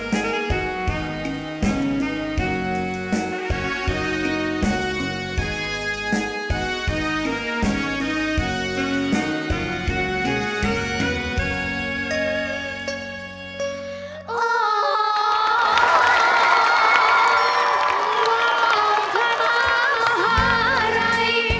กระทะมหาอะไร